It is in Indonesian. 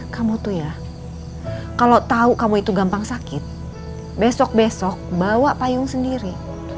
kamu tuh ya kalau tahu kamu itu gampang sakit besok besok bawa payung sendiri